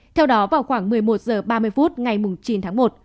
theo đó vào khoảng một mươi một h ba mươi phút ngày chín tháng một